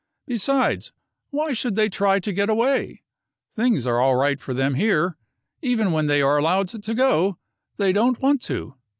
Besides, why should they try to get away ? Things are all right for them here. Even when they are allowed to go they don't want to."